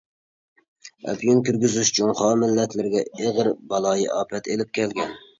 ئەپيۈن كىرگۈزۈش جۇڭخۇا مىللەتلىرىگە ئېغىر بالايىئاپەت ئېلىپ كەلگەن.